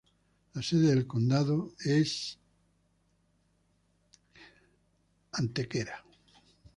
La sede de condado es Heber Springs.